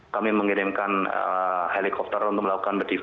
kami mengirimkan helikopter untuk melakukan bedividu